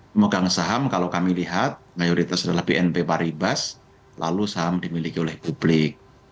pemegang saham kalau kami lihat mayoritas adalah bnp paribas lalu saham dimiliki oleh publik